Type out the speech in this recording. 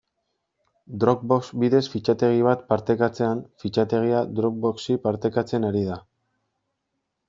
Dropbox bidez fitxategi bat partekatzean, fitxategia Dropboxi partekatzen ari da.